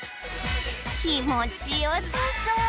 気持ちよさそう！